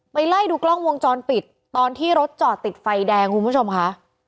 ไล่ดูกล้องวงจรปิดตอนที่รถจอดติดไฟแดงคุณผู้ชมค่ะ